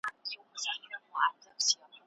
ملګري مي وویل چي پروګرامینګ د سبا اړتیا ده.